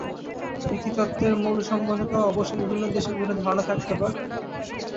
নীতিতত্ত্বের মূলসম্বন্ধে অবশ্য বিভিন্ন দেশে বিভিন্ন ধারণা থাকিতে পারে।